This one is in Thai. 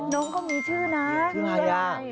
น้องเขามีชื่อนะชื่ออะไร